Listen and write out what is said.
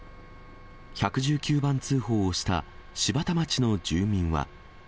１１９番通報をした柴田町の住民は。